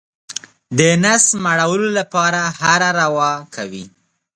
د نس مړولو لپاره هره روا کوي.